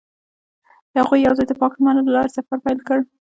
هغوی یوځای د پاک لمر له لارې سفر پیل کړ.